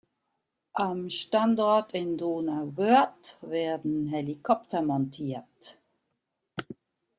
Am Standort in Donauwörth werden Helikopter montiert.